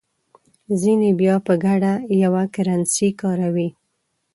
ځینې بیا په ګډه یوه کرنسي کاروي.